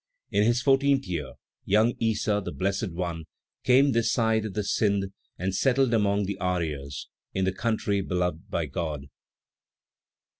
In his fourteenth year, young Issa, the Blessed One, came this side of the Sindh and settled among the Aryas, in the country beloved by God.